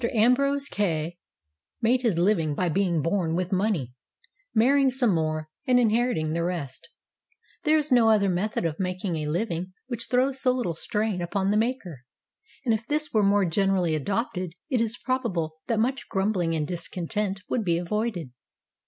AMBROSE KAY made his living by being born with money, marrying some more, and inheriting the rest There is no other method of making a living which throws so little strain upon the maker, and if this way were more generally adopted it is probable that much grumbling and discon tent would be avoided.